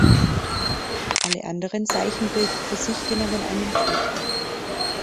Alle anderen Zeichen bilden für sich genommen ein Token.